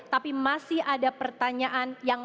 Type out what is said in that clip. tapi masih ada pertanyaan yang layak ditunggu jawabannya